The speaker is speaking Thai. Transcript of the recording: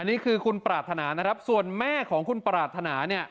อันนี้คือคุณปราธนาส่วนแม่ของคุณปราธนา